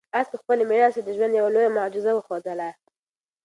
آس په خپلې مېړانې سره د ژوند یوه لویه معجزه وښودله.